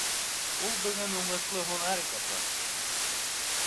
— Ул бөгөн уңышлы һунар итәсәк...